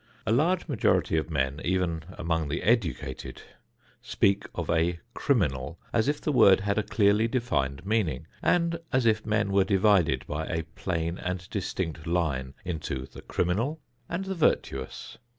A large majority of men, even among the educated, speak of a "criminal" as if the word had a clearly defined meaning and as if men were divided by a plain and distinct line into the criminal and the virtuous.